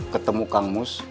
ketemu kang mus